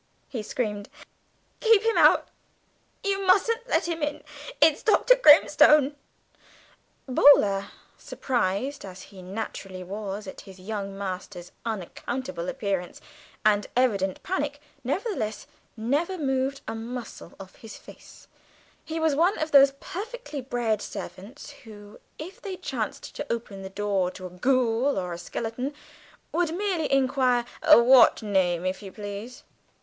he screamed. "Keep him out, you mustn't let him in. It's Dr. Grimstone." Boaler, surprised as he naturally was at his young master's unaccountable appearance and evident panic, nevertheless never moved a muscle of his face; he was one of those perfectly bred servants, who, if they chanced to open the door to a ghoul or a skeleton, would merely inquire, "What name, if you please?"